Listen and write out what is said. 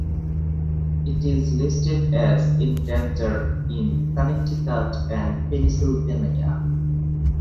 It is listed as endangered in Connecticut and Pennsylvania.